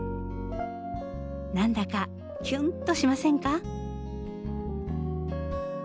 何だかキュンとしませんか？